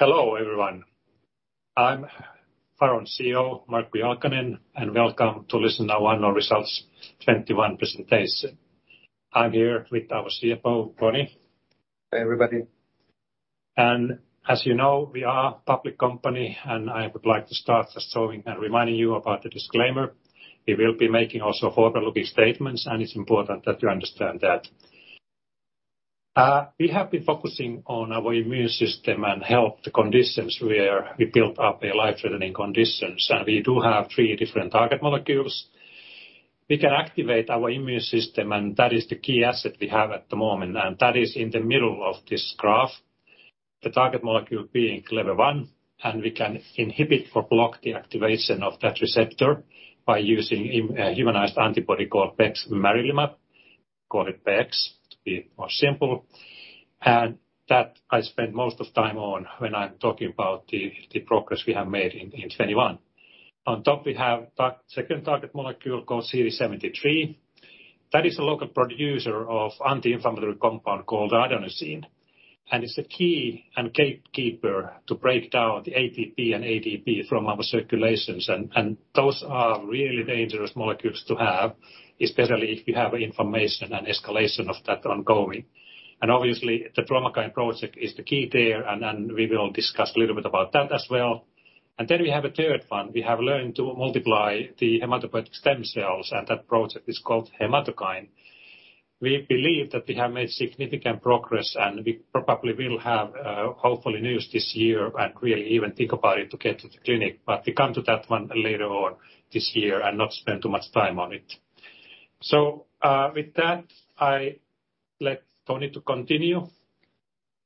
Hello, everyone. I'm Faron CEO, Markku Jalkanen. Welcome to our Annual Results 2021 presentation. I'm here with our CFO, Toni. Hey, everybody. As you know, we are a public company, and I would like to start just showing and reminding you about the disclaimer. We will be making also forward-looking statements, and it's important that you understand that. We have been focusing on our immune system and health conditions where we build up a life-threatening conditions. We do have three different target molecules. We can activate our immune system, and that is the key asset we have at the moment. That is in the middle of this graph, the target molecule being Clever-1, and we can inhibit or block the activation of that receptor by using a humanized antibody called bexmarilimab, call it Bex to be more simple. That I spend most of time on when I'm talking about the progress we have made in 2021. On top we have second target molecule called CD73. That is a local producer of anti-inflammatory compound called adenosine. It's a key and gatekeeper to break down the ATP and ADP from our circulations. Those are really dangerous molecules to have, especially if you have inflammation and escalation of that ongoing. Obviously the Traumakine project is the key there, and then we will discuss a little bit about that as well. We have a third one. We have learned to multiply the hematopoietic stem cells, and that project is called Haematokine. We believe that we have made significant progress, and we probably will have hopefully news this year and really even think about it to get to the clinic. We come to that one later on this year and not spend too much time on it. With that, I let Toni to continue.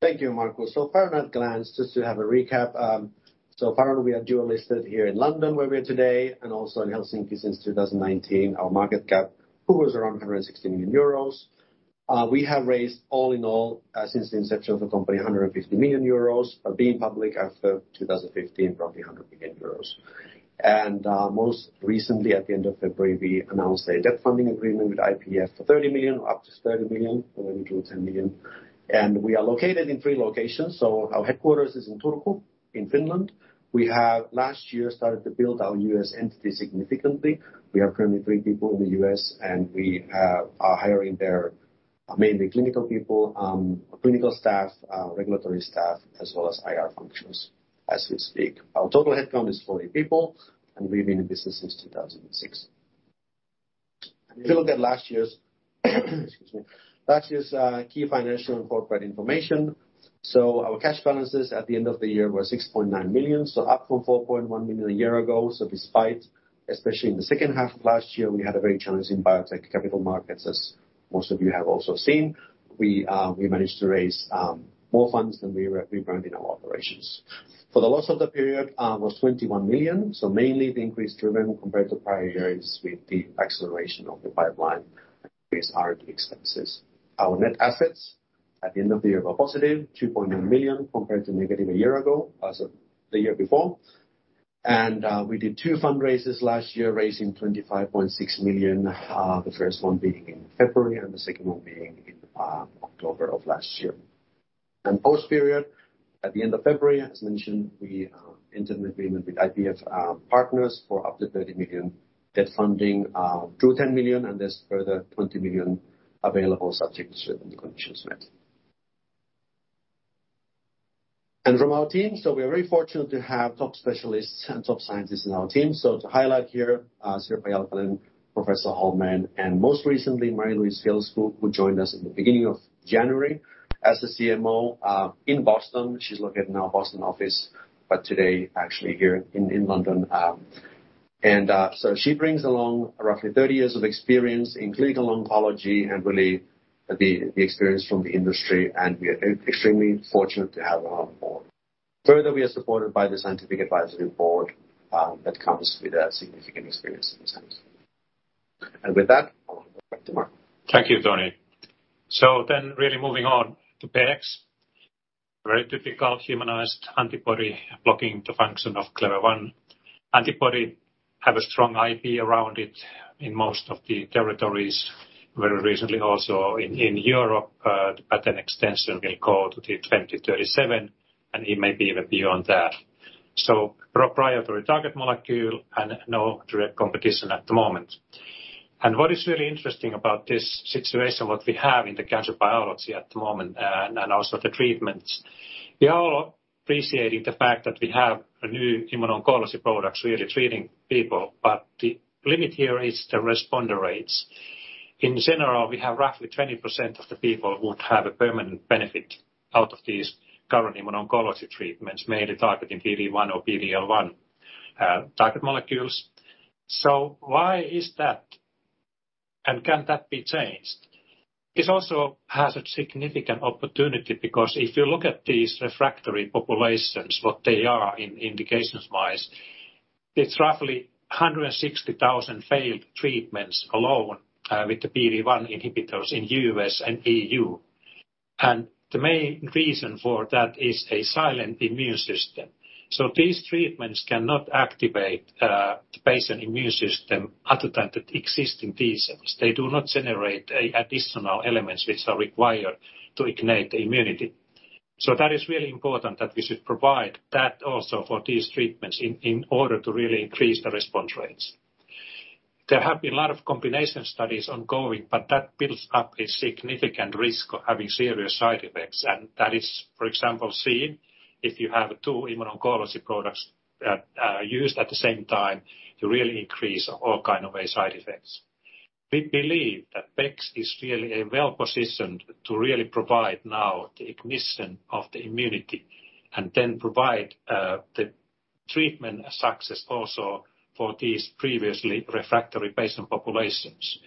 Thank you, Markku. Faron at a glance, just to have a recap. Faron, we are dual listed here in London, where we are today, and also in Helsinki since 2019. Our market cap hovers around 160 million euros. We have raised all in all, since the inception of the company, 150 million euros, but being public after 2015, roughly 100 million euros. Most recently, at the end of February, we announced a debt funding agreement with IPF for 30 million or up to 30 million, or maybe 10 million. We are located in three locations. Our headquarters is in Turku, in Finland. We have last year started to build our U.S. entity significantly. We have currently three people in the U.S., and we are hiring there, mainly clinical people, clinical staff, regulatory staff, as well as IR functions, as we speak. Our total headcount is 40 people, and we've been in business since 2006. If you look at last year's key financial and corporate information. Our cash balances at the end of the year were 6.9 million, up from 4.1 million a year ago. Despite, especially in the second half of last year, we had a very challenging biotech capital markets, as most of you have also seen. We managed to raise more funds than we burned in our operations. The loss for the period was 21 million. Mainly the increase driven compared to prior years with the acceleration of the pipeline based R&D expenses. Our net assets at the end of the year were positive 2.9 million, compared to negative a year ago, as of the year before. We did two fundraisers last year, raising 25.6 million, the first one being in February and the second one being in October of last year. Post-period, at the end of February, as mentioned, we entered an agreement with IPF Partners for up to 30 million debt funding through 10 million, and there's further 20 million available subject to certain conditions met. From our team, we are very fortunate to have top specialists and top scientists in our team. To highlight here, Sirpa Jalkanen, Maija Hollmén, and most recently, Marie-Louise Fjällskog who joined us in the beginning of January as CMO in Boston. She's located in our Boston office, but today actually here in London. She brings along roughly 30 years of experience in clinical oncology and really the experience from the industry, and we are extremely fortunate to have her on board. Further, we are supported by the scientific advisory board that comes with a significant experience in a sense. With that, back to Markku. Thank you, Toni. Really moving on to Bex, very typical humanized antibody blocking the function of Clever-1. Antibody have a strong IP around it in most of the territories. Very recently also in Europe, the patent extension will go to 2037, and it may be even beyond that. Proprietary target molecule and no direct competition at the moment. What is really interesting about this situation, what we have in the cancer biology at the moment, and also the treatments, we are all appreciating the fact that we have new immuno-oncology products really treating people, but the limit here is the responder rates. In general, we have roughly 20% of the people who have a permanent benefit out of these current immuno-oncology treatments, mainly targeting PD-1 or PD-L1, target molecules. Why is that, and can that be changed? This also has a significant opportunity because if you look at these refractory populations, what they are in indications-wise, it's roughly 160,000 failed treatments alone with the PD-1 inhibitors in U.S. and EU. The main reason for that is a silent immune system. These treatments cannot activate the patient immune system other than the existing T-cells. They do not generate an additional elements which are required to ignite the immunity. That is really important that we should provide that also for these treatments in order to really increase the response rates. There have been a lot of combination studies ongoing, but that builds up a significant risk of having serious side effects. That is, for example, seen if you have two immuno-oncology products that are used at the same time to really increase all kind of side effects. We believe that Bex is really well-positioned to really provide now the ignition of the immunity and then provide the treatment success also for these previously refractory patient populations.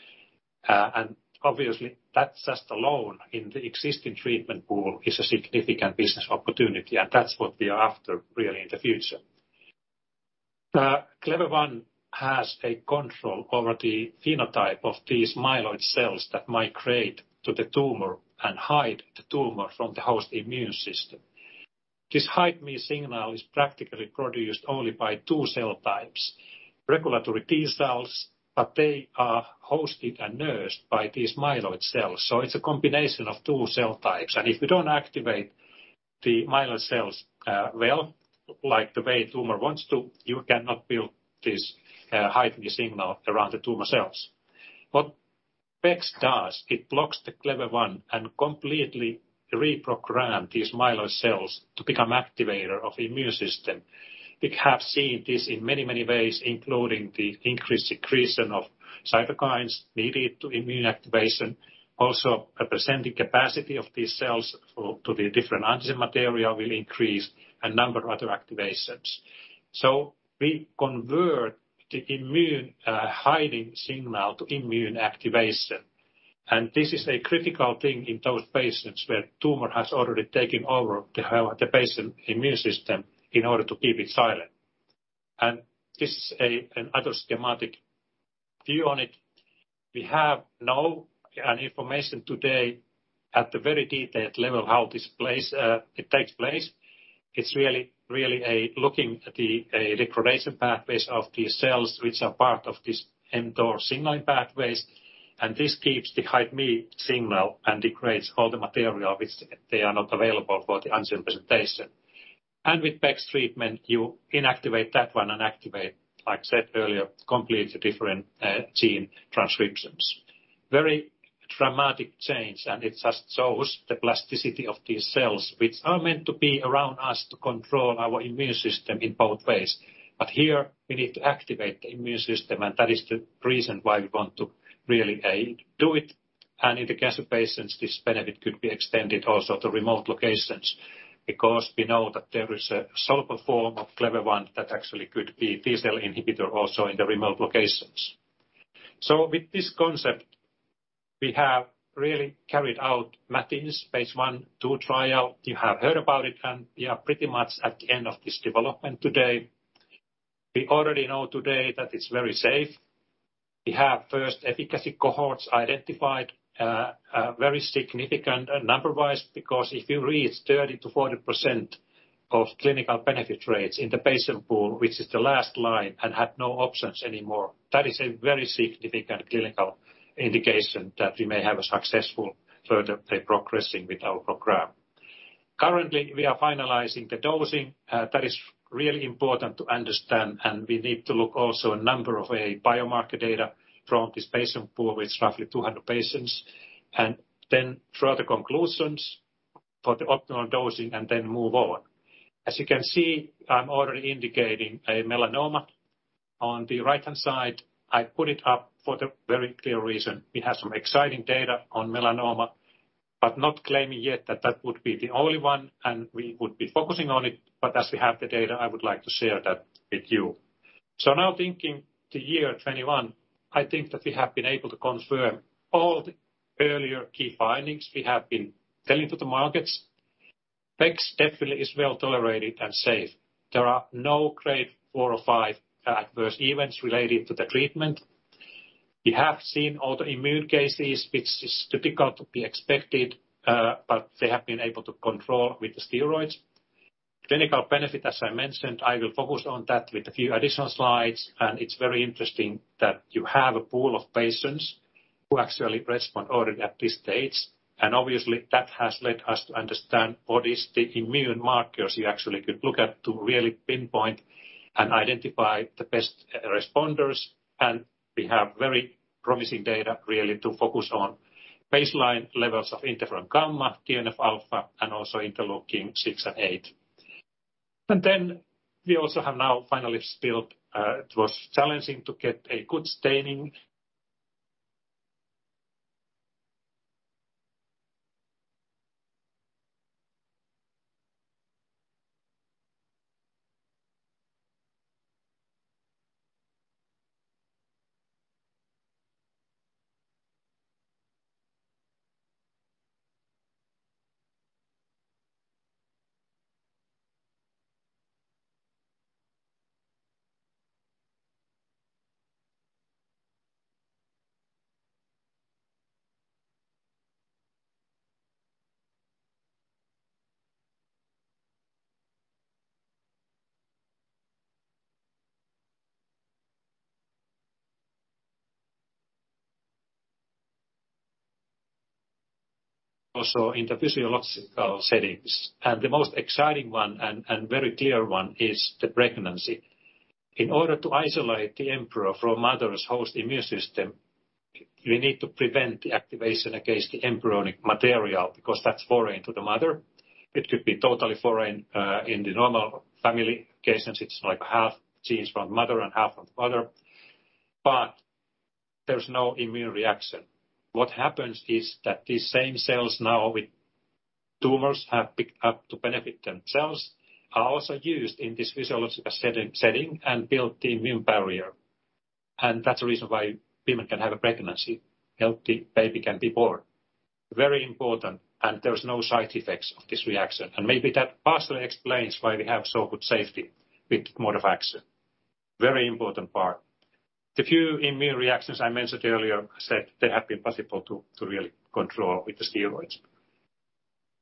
Obviously, that just alone in the existing treatment pool is a significant business opportunity, and that's what we are after really in the future. The Clever-1 has a control over the phenotype of these myeloid cells that migrate to the tumor and hide the tumor from the host immune system. This hide-me signal is practically produced only by two cell types, regulatory T cells, but they are hosted and nursed by these myeloid cells. It's a combination of two cell types. If you don't activate the myeloid cells, well, like the way tumor wants to, you cannot build this hide-me signal around the tumor cells. What Bex does, it blocks the Clever-1 and completely reprogram these myeloid cells to become activator of the immune system. We have seen this in many ways, including the increased secretion of cytokines needed for immune activation. Also, phagocytic capacity of these cells to the different antigen material will increase and a number of other activations. We convert the immune hiding signal to immune activation. This is a critical thing in those patients where tumor has already taken over the patient immune system in order to keep it silent. This is another schematic view on it. We have now information today at the very detailed level how this takes place. It's really a look at the degradation pathways of these cells, which are part of this mTOR signaling pathways. This keeps the hide me signal and degrades all the material, which they are not available for the antigen presentation. With Bex treatment, you inactivate that one and activate, like I said earlier, completely different gene transcriptions. Very dramatic change, and it just shows the plasticity of these cells, which are meant to be around us to control our immune system in both ways. But here we need to activate the immune system, and that is the reason why we want to really do it. In the cancer patients, this benefit could be extended also to remote locations because we know that there is a soluble form of Clever-1 that actually could be T cell inhibitor also in the remote locations. With this concept, we have really carried out MATINS, Phase I/II trial. You have heard about it, and we are pretty much at the end of this development today. We already know today that it's very safe. We have first efficacy cohorts identified, very significant number wise, because if you read 30%-40% of clinical benefit rates in the patient pool, which is the last line and had no options anymore, that is a very significant clinical indication that we may have a successful further progressing with our program. Currently, we are finalizing the dosing. That is really important to understand, and we need to look also a number of biomarker data from this patient pool with roughly 200 patients and then draw the conclusions for the optimal dosing and then move on. As you can see, I'm already indicating a melanoma on the right-hand side. I put it up for the very clear reason. We have some exciting data on melanoma, but not claiming yet that that would be the only one and we would be focusing on it. As we have the data, I would like to share that with you. Now thinking to 2021, I think that we have been able to confirm all the earlier key findings we have been telling to the markets. Bex definitely is well-tolerated and safe. There are no grade 4 or 5 adverse events related to the treatment. We have seen all the immune cases, which is typical to be expected, but they have been able to control with the steroids. Clinical benefit, as I mentioned, I will focus on that with a few additional slides. It's very interesting that you have a pool of patients who actually respond already at this stage. Obviously, that has led us to understand what is the immune markers you actually could look at to really pinpoint and identify the best responders. We have very promising data really to focus on baseline levels of interferon gamma, TNF alpha, and also interleukin-6 and interleukin-8. Then we also have now finally [solved]. It was challenging to get a good staining also in the physiological settings. The most exciting one and very clear one is the pregnancy. In order to isolate the embryo from mother's host immune system, we need to prevent the activation against the embryonic material because that's foreign to the mother. It could be totally foreign in the normal family cases, it's like half genes from mother and half from father. There's no immune reaction. What happens is that these same cells now with tumors have picked up to benefit themselves, are also used in this physiological setting and build the immune barrier. That's the reason why women can have a pregnancy, healthy baby can be born. Very important, there's no side effects of this reaction. Maybe that partially explains why we have so good safety with bexmarilimab. Very important part. The few immune reactions I mentioned earlier that they have been possible to really control with the steroids.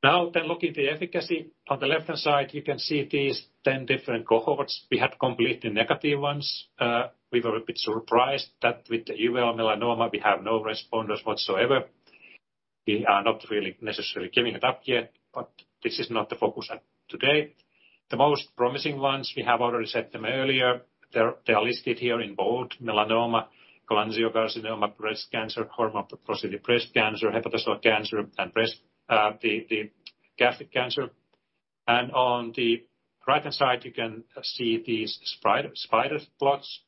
Now looking at the efficacy, on the left-hand side, you can see these 10 different cohorts. We had completely negative ones. We were a bit surprised that with the uveal melanoma, we have no responders whatsoever. We are not really necessarily giving it up yet, but this is not the focus item today. The most promising ones, we have already said them earlier. They are listed here in bold, melanoma, cholangiocarcinoma, breast cancer, hormone positive breast cancer, hepatocellular cancer, and the gastric cancer. On the right-hand side, you can see these spider plots.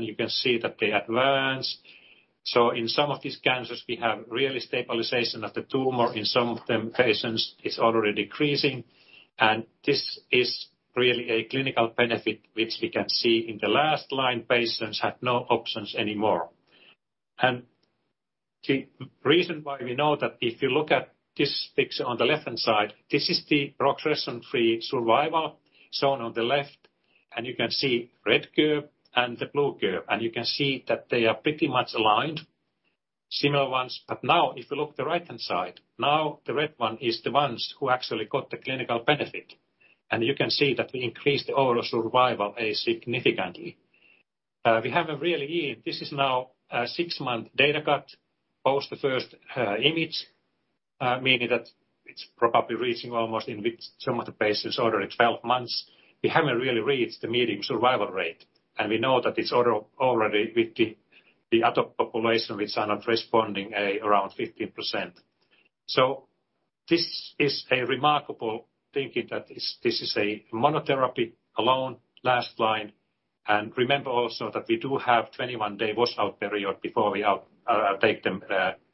You can see that they advance. In some of these cancers, we have really stabilization of the tumor. In some of them, it's already decreasing. This is really a clinical benefit, which we can see in the last line, patients had no options anymore. The reason why we know that if you look at this picture on the left-hand side, this is the progression-free survival shown on the left, and you can see red curve and the blue curve. You can see that they are pretty much aligned, similar ones. Now, if you look at the right-hand side, now the red one is the ones who actually got the clinical benefit. You can see that we increased the overall survival significantly. We have a really this is now a six month data cut post the first imaging, meaning that it's probably reaching almost nine months with some of the patients already 12 months. We haven't really reached the median survival rate, and we know that it's already with the other population which are not responding around 15%. This is a remarkable thing that this is a monotherapy alone, last line. Remember also that we do have 21-day wash out period before we take them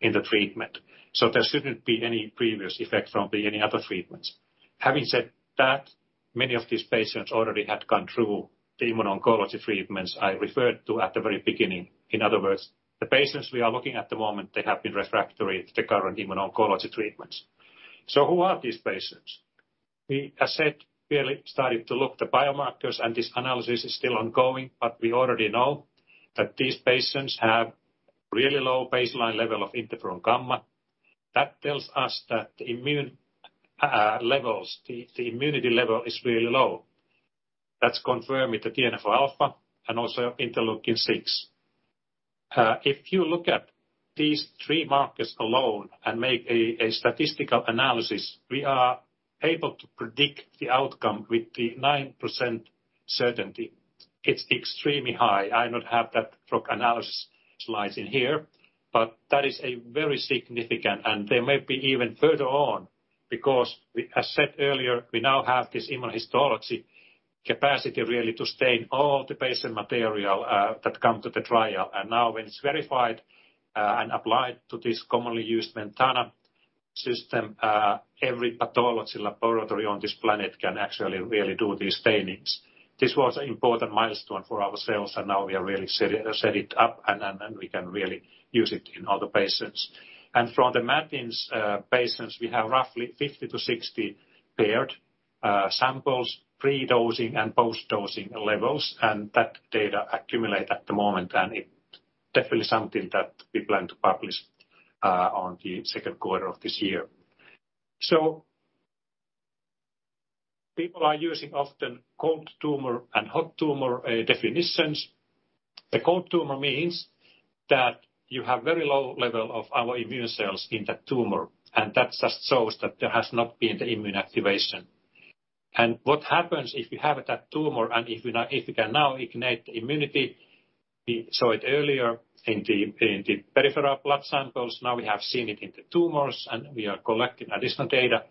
in the treatment. There shouldn't be any previous effect from any other treatments. Having said that, many of these patients already had gone through the immuno-oncology treatments I referred to at the very beginning. In other words, the patients we are looking at the moment, they have been refractory to the current immuno-oncology treatments. Who are these patients? We, as said, really started to look the biomarkers, and this analysis is still ongoing, but we already know that these patients have really low baseline level of interferon gamma. That tells us that the immune levels, the immunity level is really low. That's confirmed with the TNF alpha and also interleukin-6. If you look at these three markers alone and make a statistical analysis, we are able to predict the outcome with 9% certainty. It's extremely high. I do not have that analysis slides in here, but that is a very significant, and there may be even further on, because, as said earlier, we now have this immunohistology capacity really to stain all the patient material that come to the trial. Now when it's verified and applied to this commonly used VENTANA system, every pathology laboratory on this planet can actually really do these stainings. This was important milestone for ourselves, and now we are really set it up, and we can really use it in other patients. From the MATINS patients, we have roughly 50-60 paired samples, pre-dosing and post-dosing levels, and that data accumulate at the moment, and it definitely something that we plan to publish on the Q2 of this year. People are using often cold tumor and hot tumor definitions. The cold tumor means that you have very low level of our immune cells in the tumor, and that just shows that there has not been the immune activation. What happens if you have that tumor and if we can now ignite the immunity, we saw it earlier in the peripheral blood samples. Now we have seen it in the tumors, and we are collecting additional data.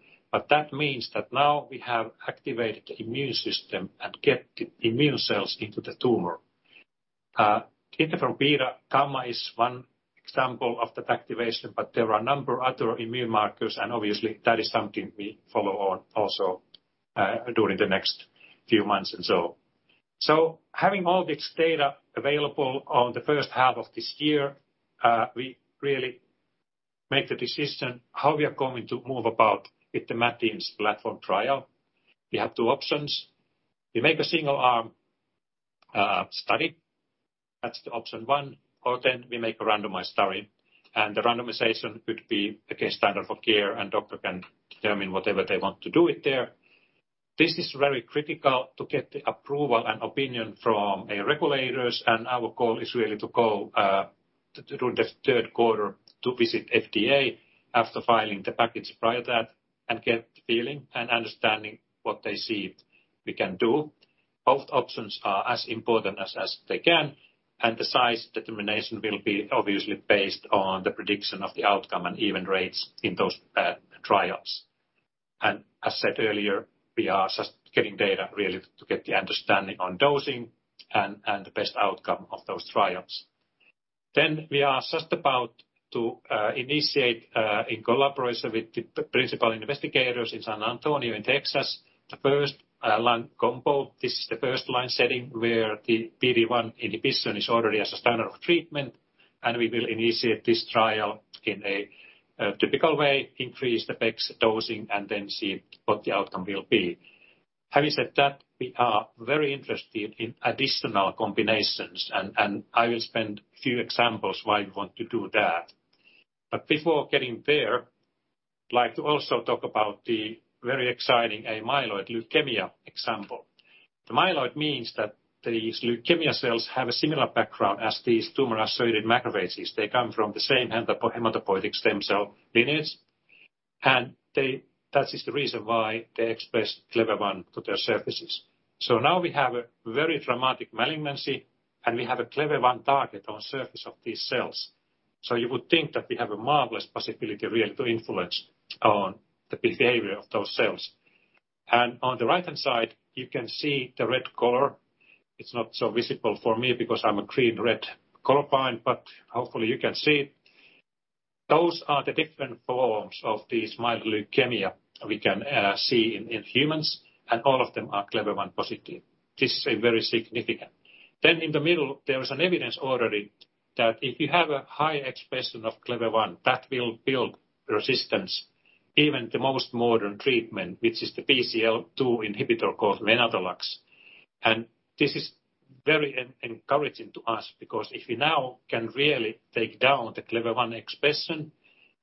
That means that now we have activated the immune system and get the immune cells into the tumor. Interferon beta gamma is one example of that activation, but there are a number of other immune markers and obviously that is something we follow on also during the next few months and so. Having all this data available on the first half of this year, we really make the decision how we are going to move about with the MATINS platform trial. We have two options. We make a single arm study. That's the option one. We make a randomized study, and the randomization could be against standard of care, and doctor can determine whatever they want to do with their. This is very critical to get the approval and opinion from the regulators. Our goal is really to go to in the Q3 visit FDA after filing the package prior to that and get the feeling and understanding what they see we can do. Both options are as important as they can. The size determination will be obviously based on the prediction of the outcome and event rates in those trials. As said earlier, we are just getting data really to get the understanding on dosing and the best outcome of those trials. We are just about to initiate in collaboration with the principal investigators in San Antonio and Texas the first line combo. This is the first line setting where the PD-1 inhibition is already as a standard of treatment. We will initiate this trial in a typical way, increase the Bex dosing and then see what the outcome will be. Having said that, we are very interested in additional combinations, and I will give a few examples why we want to do that. Before getting there, I'd like to also talk about the very exciting AML example. The myeloid means that these leukemia cells have a similar background as these tumor associated macrophages. They come from the same hematopoietic stem cell lineage. That is the reason why they express Clever-1 to their surfaces. Now we have a very dramatic malignancy, and we have a Clever-1 target on surface of these cells. You would think that we have a marvelous possibility really to influence on the behavior of those cells. On the right-hand side you can see the red color. It's not so visible for me because I'm a green-red color blind, but hopefully you can see. Those are the different forms of these myeloid leukemia we can see in humans, and all of them are Clever-1 positive. This is a very significant. In the middle, there is an evidence already that if you have a high expression of Clever-1, that will build resistance. Even the most modern treatment, which is the BCL-2 inhibitor called venetoclax. This is very encouraging to us, because if we now can really take down the Clever-1 expression,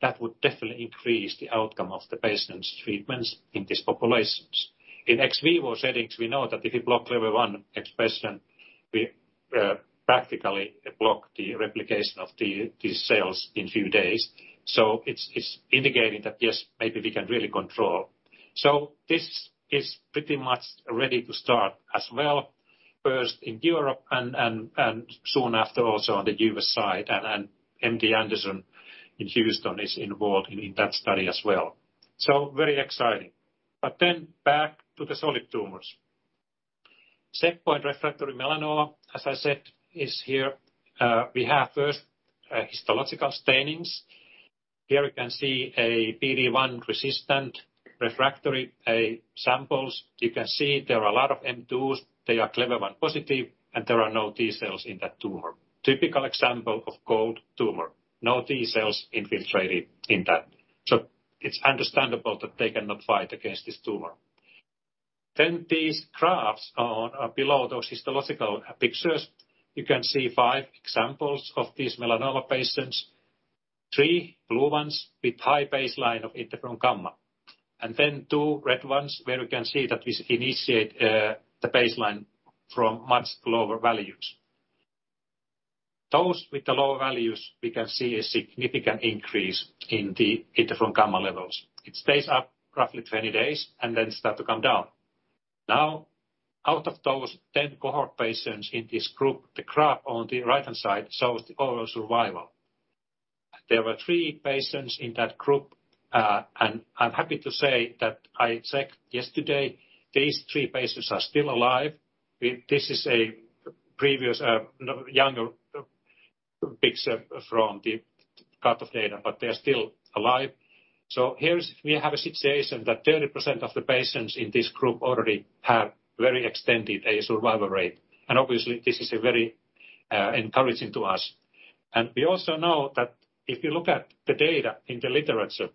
that would definitely increase the outcome of the patients treatments in these populations. In ex vivo settings, we know that if you block Clever-1 expression, we practically block the replication of these cells in few days. It's indicating that, yes, maybe we can really control. This is pretty much ready to start as well, first in Europe and soon after also on the U.S. side. MD Anderson in Houston is involved in that study as well. Very exciting. Back to the solid tumors. Checkpoint refractory melanoma, as I said, is here. We have first histological stainings. Here you can see a PD-1 resistant refractory samples. You can see there are a lot of M2s. They are Clever-1 positive, and there are no T-cells in that tumor. Typical example of cold tumor, no T-cells infiltrated in that. It's understandable that they cannot fight against this tumor. These graphs on below those histological pictures, you can see five examples of these melanoma patients. Three blue ones with high baseline of interferon gamma. Two red ones where we can see that we initiate the baseline from much lower values. Those with the lower values, we can see a significant increase in the interferon gamma levels. It stays up roughly 20 days and then start to come down. Out of those 10 cohort patients in this group, the graph on the right-hand side shows the overall survival. There were three patients in that group. I'm happy to say that I checked yesterday, these three patients are still alive. This is a previous, younger picture from the cutoff data, but they're still alive. Here we have a situation that 30% of the patients in this group already have very extended survival rate. Obviously this is very encouraging to us. We also know that if you look at the data in the literature,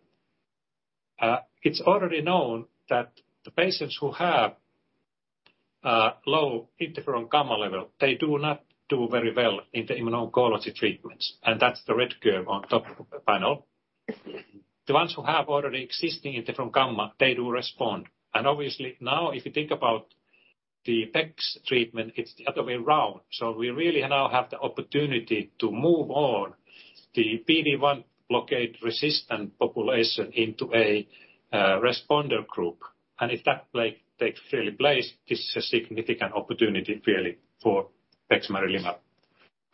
it's already known that the patients who have low interferon gamma level, they do not do very well in the immuno-oncology treatments. That's the red curve on top panel. The ones who have already existing interferon gamma, they do respond. Obviously now if you think about the Bex treatment, it's the other way around. We really now have the opportunity to move the PD-1 blockade resistant population into a responder group. If that like takes really place, this is a significant opportunity really for bexmarilimab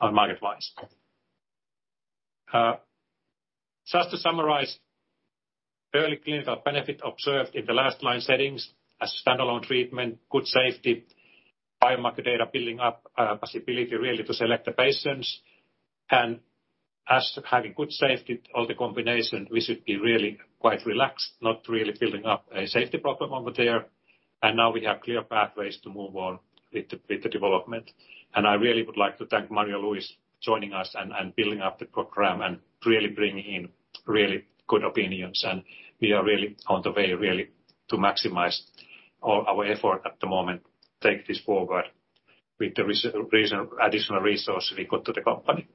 market-wise. Just to summarize, early clinical benefit observed in the last-line settings as standalone treatment, good safety, biomarker data building up, possibility really to select the patients. As having good safety in all the combinations, we should be really quite relaxed, not really building up a safety problem over there. Now we have clear pathways to move on with the development. I really would like to thank Marie-Louise joining us and building up the program and really bringing in really good opinions. We are really on the way really to maximize all our effort at the moment, take this forward with the resources, additional resources we got to the company.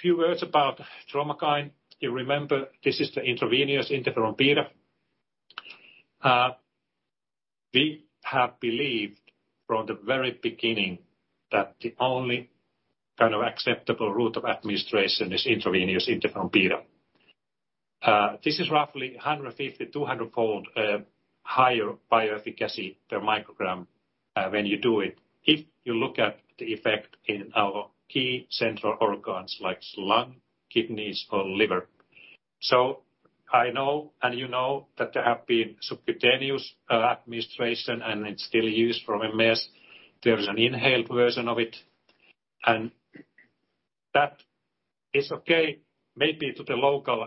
Few words about Traumakine. You remember, this is the intravenous interferon beta. We have believed from the very beginning that the only kind of acceptable route of administration is intravenous interferon beta. This is roughly 150 to 200 fold higher bioefficacy per microgram when you do it. If you look at the effect in our key central organs, like lung, kidneys or liver. I know, and you know that there have been subcutaneous administration, and it's still used for MS. There is an inhaled version of it, and that is okay maybe to the local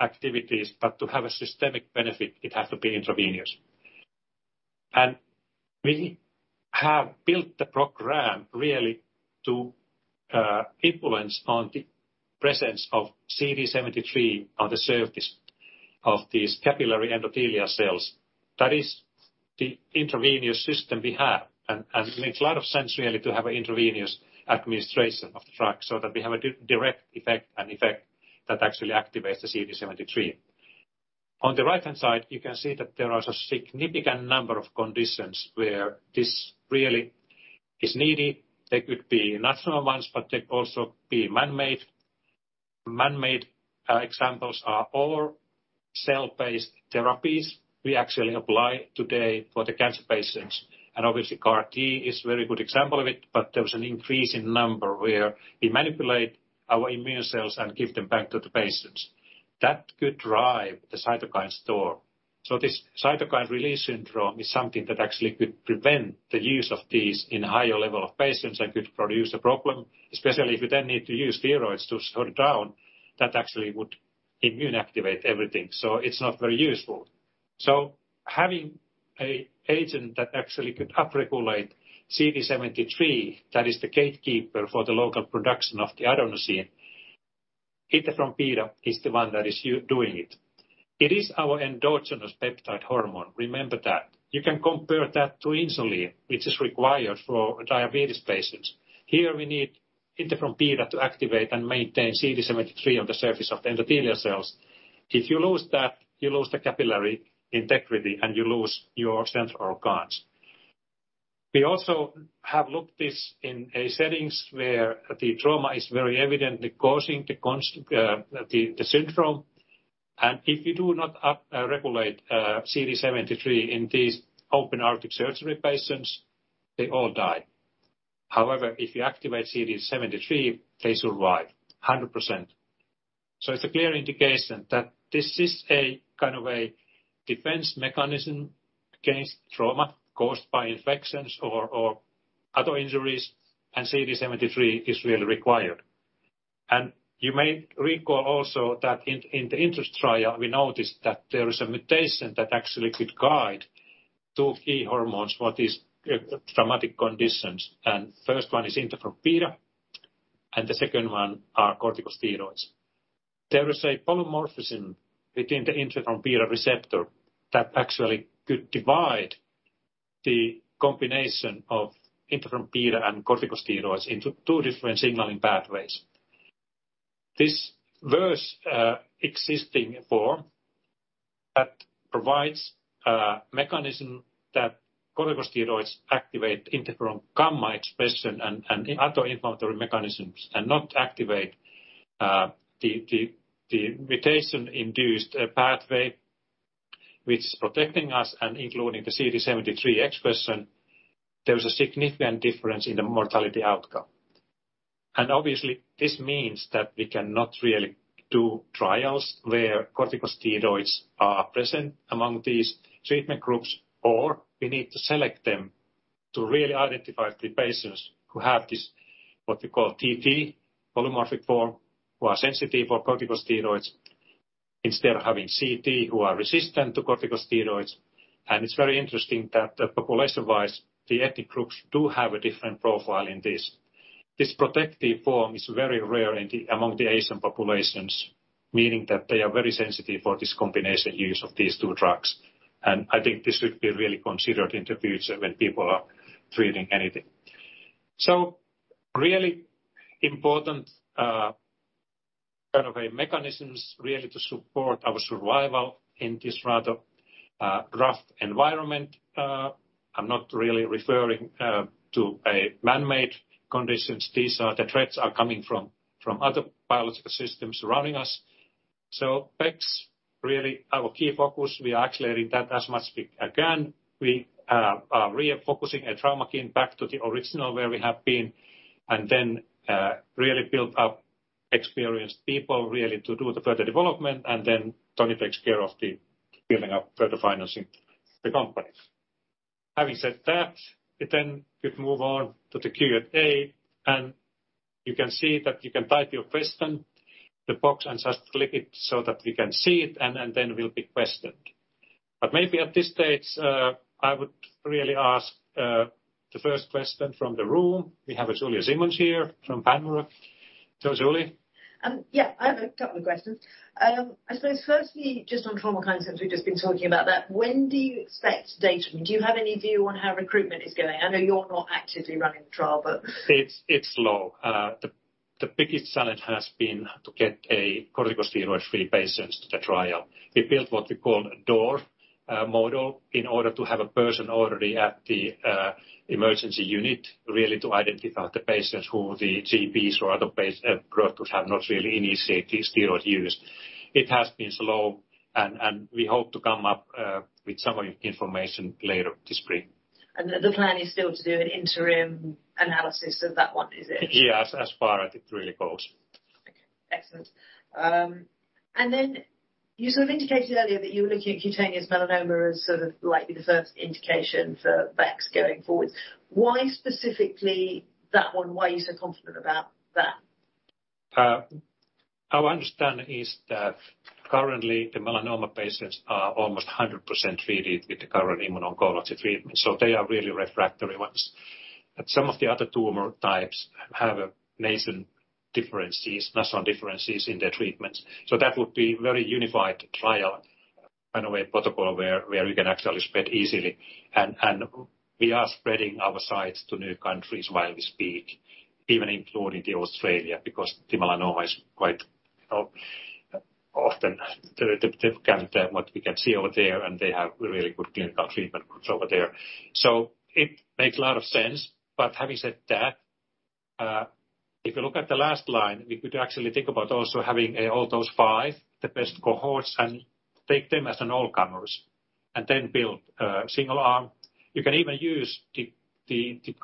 activities, but to have a systemic benefit, it has to be intravenous. We have built the program really to influence on the presence of CD73 on the surface of these capillary endothelial cells. That is the intravenous system we have. It makes a lot of sense really to have intravenous administration of the drug so that we have a direct effect and effect that actually activates the CD73. On the right-hand side, you can see that there are a significant number of conditions where this really is needed. They could be natural ones, but they could also be man-made. Man-made examples are all cell-based therapies we actually apply today for the cancer patients. Obviously, CAR-T is a very good example of it, but there is an increase in number where we manipulate our immune cells and give them back to the patients. That could drive the cytokine storm. This cytokine release syndrome is something that actually could prevent the use of these in higher level of patients and could produce a problem, especially if you then need to use steroids to shut down that actually would immunosuppress everything. It's not very useful. Having an agent that actually could upregulate CD73, that is the gatekeeper for the local production of the adenosine. Interferon beta is the one that is undoing it. It is our endogenous peptide hormone. Remember that. You can compare that to insulin, which is required for diabetes patients. Here we need interferon beta to activate and maintain CD73 on the surface of endothelial cells. If you lose that, you lose the capillary integrity, and you lose your central organs. We also have looked at this in settings where the trauma is very evidently causing the syndrome. If you do not upregulate CD73 in these open aortic surgery patients, they all die. However, if you activate CD73, they survive 100%. It's a clear indication that this is a kind of a defense mechanism against trauma caused by infections or other injuries. CD73 is really required. You may recall also that in the INTEREST trial, we noticed that there is a mutation that actually could guide two key hormones for these traumatic conditions. First one is interferon beta, and the second one are corticosteroids. There is a polymorphism within the interferon beta receptor that actually could divide the combination of interferon beta and corticosteroids into two different signaling pathways. This worse existing form that provides a mechanism that corticosteroids activate interferon gamma expression and other inflammatory mechanisms, and not activate the mutation-induced pathway which is protecting us and including the CD73 expression. There is a significant difference in the mortality outcome. Obviously this means that we cannot really do trials where corticosteroids are present among these treatment groups, or we need to select them to really identify the patients who have this, what we call TT polymorphic form, who are sensitive for corticosteroids, instead of having CT who are resistant to corticosteroids. It's very interesting that population-wise, the ethnic groups do have a different profile in this. This protective form is very rare among the Asian populations, meaning that they are very sensitive for this combination use of these two drugs. I think this should be really considered in the future when people are treating anything. Really important, kind of a mechanisms really to support our survival in this rather rough environment. I'm not really referring to a man-made conditions. These are the threats are coming from other biological systems surrounding us. Bex, really our key focus, we are accelerating that as much we can. We are really focusing at Traumakine back to the original where we have been and then really build up experienced people really to do the further development. Then Toni takes care of the building up further financing the company. Having said that, we then could move on to the Q&A and you can see that you can type your question, the box and just click it so that we can see it and then we'll be questioned. Maybe at this stage, I would really ask the first question from the room. We have Julie Simmonds here from Panmure. So Julie? I have a couple of questions. I suppose firstly, just on Traumakine, we've just been talking about that. When do you expect data? Do you have any view on how recruitment is going? I know you're not actively running the trial, but. It's slow. The biggest challenge has been to get a corticosteroid-free patients to the trial. We built what we call a door model in order to have a person already at the emergency unit, really to identify the patients who the GPs or other doctors have not really initiated steroid use. It has been slow and we hope to come up with some of the information later this spring. The plan is still to do an interim analysis of that one, is it? Yes, as far as it really goes. Okay. Excellent. You sort of indicated earlier that you were looking at cutaneous melanoma as sort of likely the first indication for Bex going forward. Why specifically that one? Why are you so confident about that? Our understanding is that currently the melanoma patients are almost 100% treated with the current immuno-oncology treatment, so they are really refractory ones. Some of the other tumor types have national differences in their treatments. That would be very unified trial kind of a protocol where you can actually spread easily and we are spreading our sites to new countries while we speak, even including Australia, because the melanoma is quite, you know, often the cancer what we can see over there, and they have really good clinical treatment groups over there. It makes a lot of sense. Having said that, if you look at the last line, we could actually think about also having all those five, the best cohorts, and take them as an all comers, and then build a single arm. You can even use the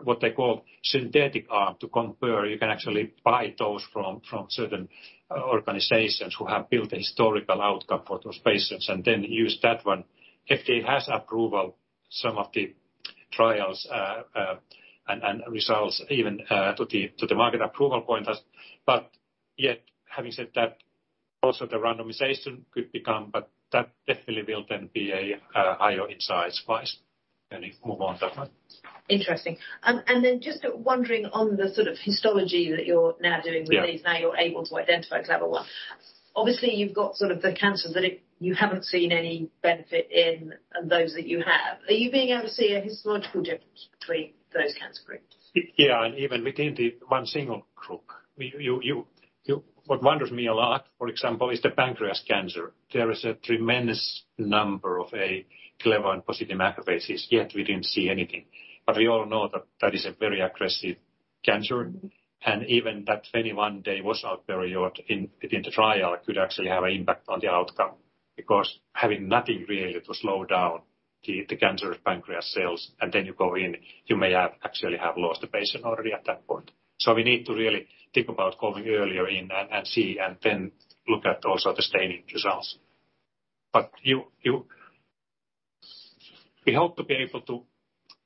what they call synthetic arm to compare. You can actually buy those from certain organizations who have built a historical outcome for those patients and then use that one. FDA has approved some of the trials, and even results to the market approval point. Yet, having said that, also the randomization could become, but that definitely will then be a higher in size-wise than if move on that one. Interesting. Just wondering on the sort of histology that you're now doing with these. Now you're able to identify Clever-1. Obviously, you've got sort of the cancers that you haven't seen any benefit in and those that you have. Are you being able to see a histological difference between those cancer groups? Yeah, even within the one single group. What wonders me a lot, for example, is the pancreatic cancer. There is a tremendous number of Clever-1 positive macrophages, yet we didn't see anything. We all know that that is a very aggressive cancer. Even that 21-day washout period within the trial could actually have an impact on the outcome because having nothing really to slow down the pancreatic cancer cells, and then you go in, you may actually have lost the patient already at that point. We need to really think about going earlier in and see and then look at also the staining results. We hope to be able to,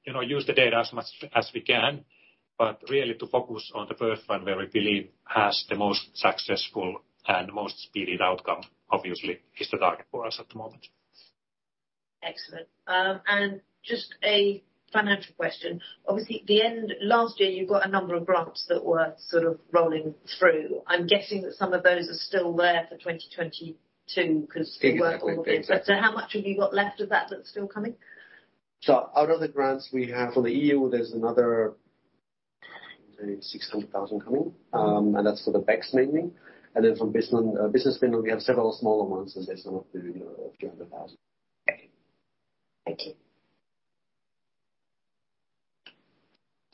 you know, use the data as much as we can, but really to focus on the first one where we believe has the most successful and most speedy outcome, obviously is the target for us at the moment. Excellent. Just a financial question. Obviously, last year, you got a number of grants that were sort of rolling through. I'm guessing that some of those are still there for 2022 because. How much have you got left of that that's still coming? Out of the grants we have for the EU, there's another 60,000 coming, and that's for the bex mainly. Then from Business Finland, we have several smaller ones, and there's some up to, you know, a few hundred thousand. Okay. Thank you.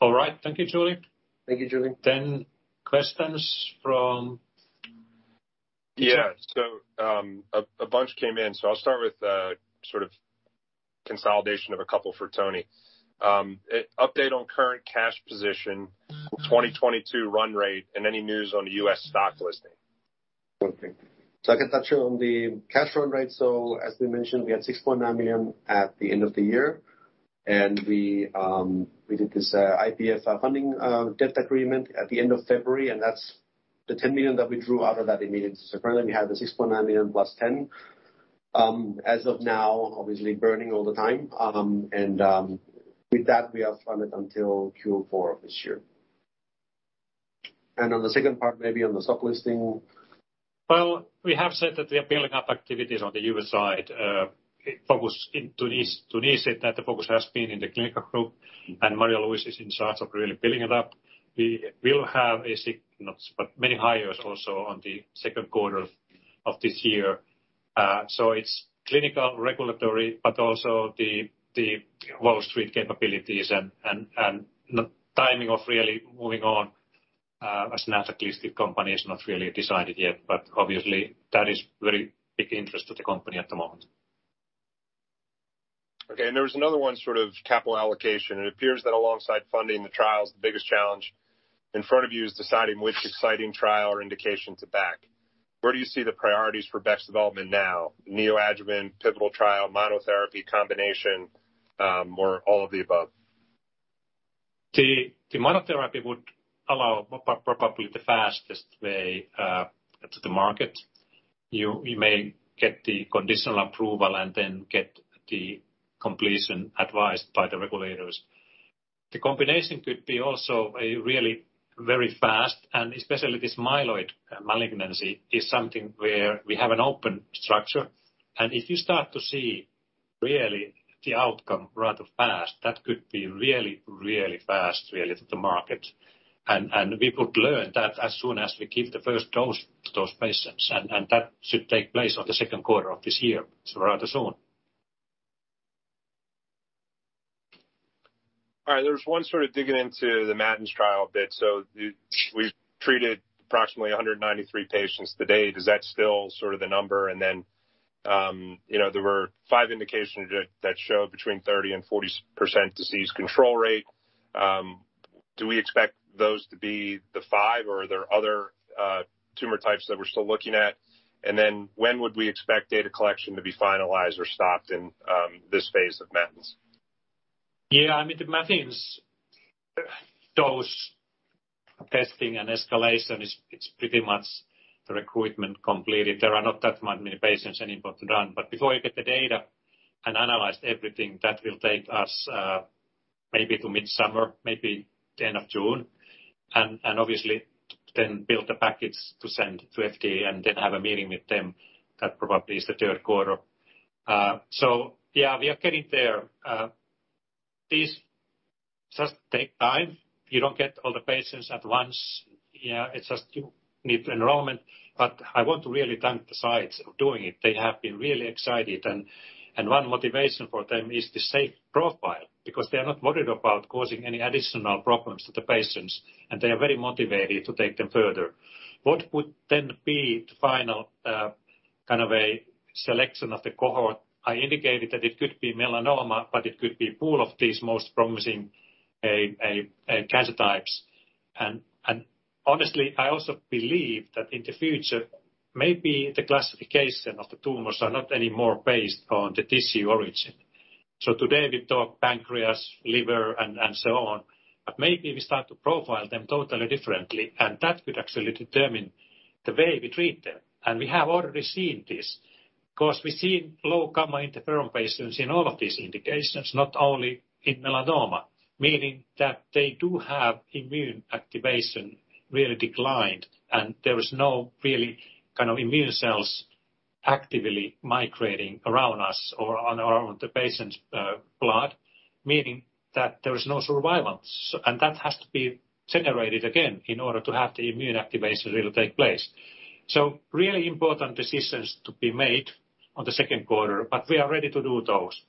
All right. Thank you, Julie. Thank you, Julie. Questions from. Yeah. A bunch came in, so I'll start with the sort of consolidation of a couple for Toni. Update on current cash position, 2022 run rate, and any news on the US stock listing. Okay. I can touch on the cash run rate. As we mentioned, we had 6.9 million at the end of the year, and we did this IPF funding debt agreement at the end of February, and that's the 10 million that we drew out of that immediately. Currently, we have the 6.9 million + 10 million. As of now, obviously burning all the time. With that, we are funded until Q4 of this year. On the second part, maybe on the stock listing. Well, we have said that we are building up activities on the U.S. side. The focus has been in the clinical group, and Marie-Louise is in charge of really building it up. We will have a significant but not many hires also on the Q2 of this year. It's clinical, regulatory, but also the Wall Street capabilities and the timing of really moving on as a U.S. company is not really decided yet, but obviously that is very big interest to the company at the moment. Okay. There was another one sort of capital allocation. It appears that alongside funding the trials, the biggest challenge in front of you is deciding which exciting trial or indication to back. Where do you see the priorities for Bex development now? Neoadjuvant, pivotal trial, monotherapy, combination, or all of the above? The monotherapy would allow probably the fastest way to the market. You may get the conditional approval and then get the completion advised by the regulators. The combination could be also a really very fast, and especially this myeloid malignancy is something where we have an open structure. If you start to see really the outcome rather fast, that could be really fast to the market. We could learn that as soon as we give the first dose to those patients, and that should take place on the Q2 of this year, so rather soon. All right. There's one sort of digging into the MATINS trial a bit. We've treated approximately 193 patients to date. Is that still sort of the number? And then, you know, there were five indications that show between 30%-40% disease control rate. Do we expect those to be the five, or are there other tumor types that we're still looking at? And then when would we expect data collection to be finalized or stopped in this phase of MATINS? Yeah, I mean, the MATINS dose testing and escalation is; it's pretty much the recruitment completed. There are not that many patients anymore to run. Before you get the data and analyze everything, that will take us maybe to mid-summer, maybe the end of June. And obviously then build the package to send to FDA and then have a meeting with them. That probably is the Q3. So yeah, we are getting there. These just take time. You don't get all the patients at once. Yeah, it's just you need enrollment. I want to really thank the sites for doing it. They have been really excited, and one motivation for them is the safety profile, because they are not worried about causing any additional problems to the patients, and they are very motivated to take them further. What would then be the final kind of a selection of the cohort? I indicated that it could be melanoma, but it could be pool of these most promising cancer types. Honestly, I also believe that in the future, maybe the classification of the tumors are not anymore based on the tissue origin. Today we talk pancreas, liver and so on, but maybe we start to profile them totally differently, and that could actually determine the way we treat them. We have already seen this because we've seen low interferon gamma patients in all of these indications, not only in melanoma. Meaning that they do have immune activation really declined, and there is no really kind of immune cells actively migrating around us or on our, on the patient's blood, meaning that there is no surveillance. That has to be generated again in order to have the immune activation really take place. Really important decisions to be made on the Q2, but we are ready to do those.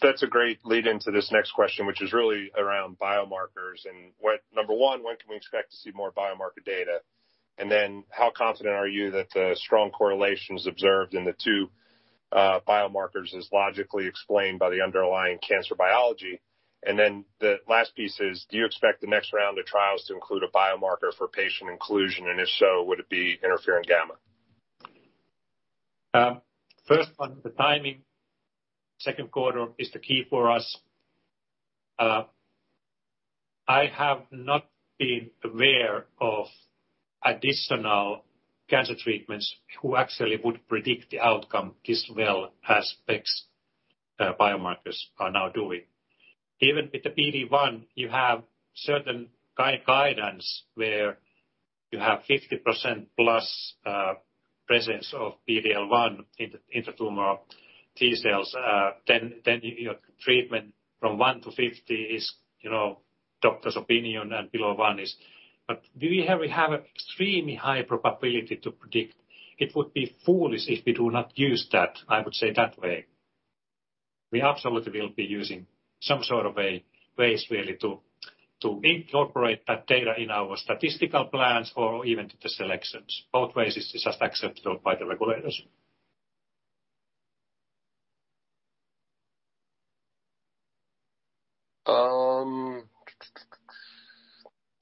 That's a great lead into this next question, which is really around biomarkers and number one, when can we expect to see more biomarker data? And then how confident are you that the strong correlations observed in the two biomarkers is logically explained by the underlying cancer biology? And then the last piece is, do you expect the next round of trials to include a biomarker for patient inclusion? And if so, would it be interferon gamma? First one, the timing Q2 is the key for us. I have not been aware of additional cancer treatments who actually would predict the outcome this well as Bex biomarkers are now doing. Even with the PD-1, you have certain guidance where you have 50%+ presence of PD-L1 in the tumor T-cells. Then you know, treatment from 1 to 50 is, you know, doctor's opinion, and below one is. Do we have an extremely high probability to predict? It would be foolish if we do not use that, I would say it that way. We absolutely will be using some sort of ways really to incorporate that data in our statistical plans or even to the selections. Both ways is just accepted by the regulators.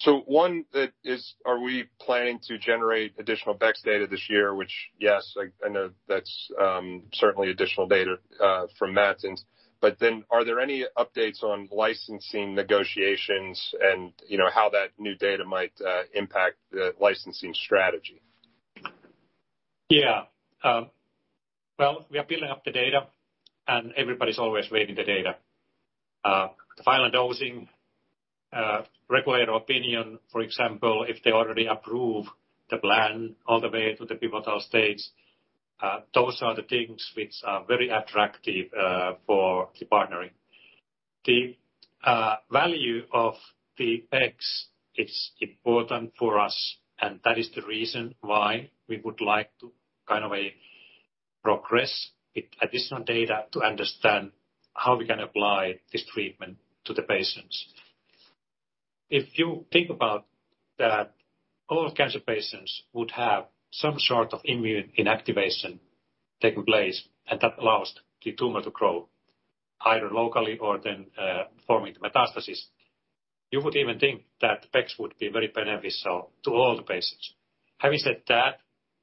Are we planning to generate additional Bex data this year? Which, yes, I know that's certainly additional data from that. Are there any updates on licensing negotiations and, you know, how that new data might impact the licensing strategy? Well, we are building up the data, and everybody's always waiting the data. The final dosing regulator opinion, for example, if they already approve the plan all the way to the pivotal stage, those are the things which are very attractive for the partnering. The value of the Bex, it's important for us, and that is the reason why we would like to kind of progress with additional data to understand how we can apply this treatment to the patients. If you think about that all cancer patients would have some sort of immune inactivation taking place, and that allows the tumor to grow either locally or then forming the metastasis. You would even think that PD-1s would be very beneficial to all the patients. Having said that,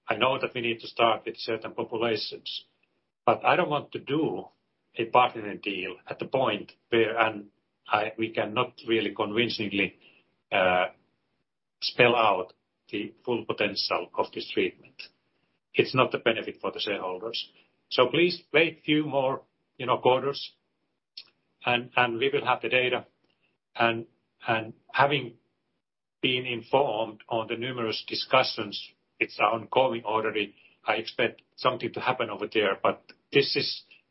I know that we need to start with certain populations, but I don't want to do a partnering deal at the point where we cannot really convincingly spell out the full potential of this treatment. It's not the benefit for the shareholders. Please wait few more, you know, quarters and we will have the data and having been informed on the numerous discussions it's ongoing already, I expect something to happen over there. This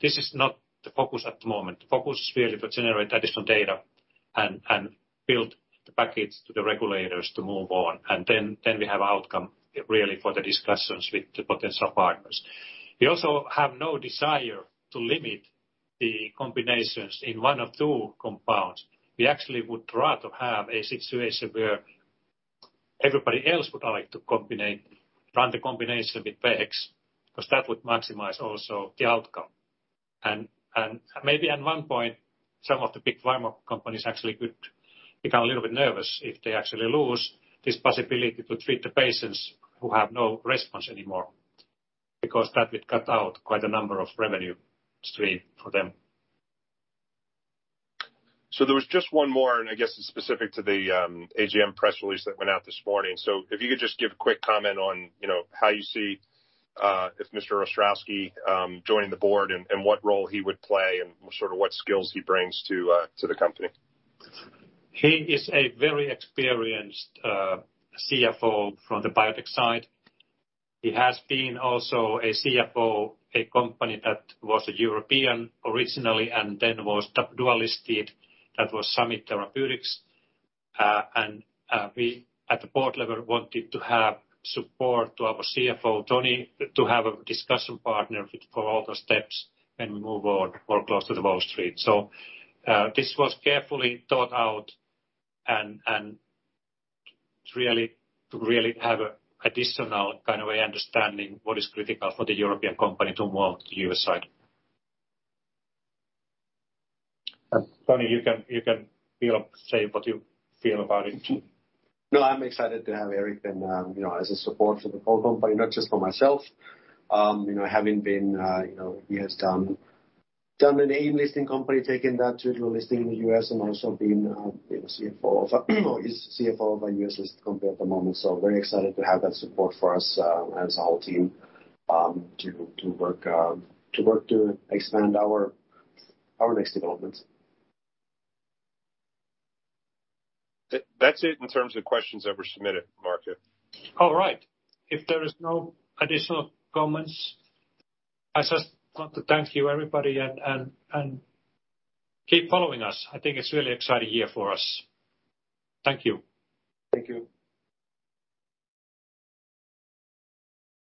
is not the focus at the moment. The focus is really to generate additional data and build the package to the regulators to move on, and then we have outcome really for the discussions with the potential partners. We also have no desire to limit the combinations in one or two compounds. We actually would rather have a situation where everybody else would like to run the combination with bex, because that would maximize also the outcome. Maybe at one point, some of the big pharma companies actually could become a little bit nervous if they actually lose this possibility to treat the patients who have no response anymore, because that would cut out quite a number of revenue stream for them. There was just one more, and I guess it's specific to the AGM press release that went out this morning. If you could just give a quick comment on, you know, how you see if Mr. Ostrowski joining the board and what role he would play and sort of what skills he brings to the company. He is a very experienced CFO from the biotech side. He has been also a CFO of a company that was European originally, and then was dual-listed. That was Summit Therapeutics. We at the board level wanted to have support to our CFO, Toni, to have a discussion partner to follow the steps and move more close to the Wall Street. This was carefully thought out and really to have additional kind of way understanding what is critical for the European company to move to U.S. side. Toni, you can be able to say what you feel about it. No, I'm excited to have Eric and, you know, as a support for the whole company, not just for myself. You know, he has done an AIM listing company, taking that to dual listing in the U.S. and also been a CFO or is CFO of a U.S. listed company at the moment. Very excited to have that support for us, as our team, to work to expand our next developments. That's it in terms of questions that were submitted, Markku. All right. If there is no additional comments, I just want to thank you, everybody, and keep following us. I think it's a really exciting year for us. Thank you. Thank you.